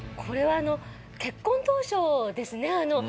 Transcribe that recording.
これはあの結婚当初ですね。